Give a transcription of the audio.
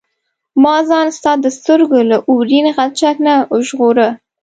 ما ځان د ستا د سترګو له اورین غلچک نه ژغوره.